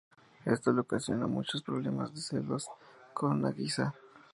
Esto le ocasiona muchos problemas de celos con Nagisa.